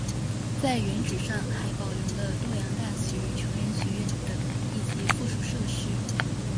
在原址上还保留了洛阳大学成人学院等一些附属设施。